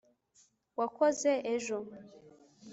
wakoze ejo